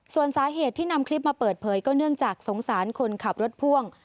ส่วนสาเหตุที่นำคลิปมาเปิดเผยก็เนื่องจากสงสารคนขับรถพ่วง